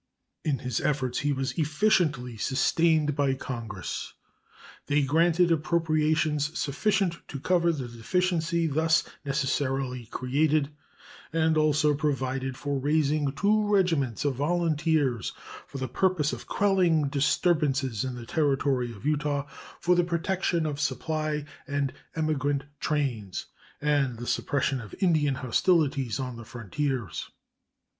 In his efforts he was efficiently sustained by Congress. They granted appropriations sufficient to cover the deficiency thus necessarily created, and also provided for raising two regiments of volunteers "for the purpose of quelling disturbances in the Territory of Utah, for the protection of supply and emigrant trains, and the suppression of Indian hostilities on the frontiers."